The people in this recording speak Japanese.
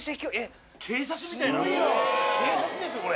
警察ですよこれ。